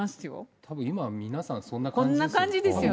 たぶん今、皆さんそんな感じこんな感じですよね。